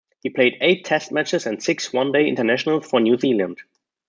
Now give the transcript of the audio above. He played eight Test matches and six One Day Internationals for New Zealand.